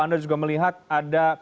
anda juga melihat ada